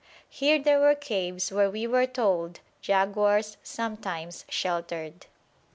Here there were caves where we were told jaguars sometimes sheltered.